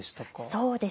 そうですね。